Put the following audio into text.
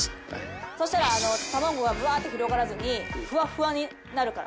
そしたら卵がぶわって広がらずにフワフワになるから。